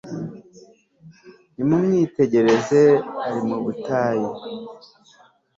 Nimumwitegereze ari mu butayu